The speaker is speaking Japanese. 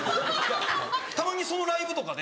たまにそのライブとかで。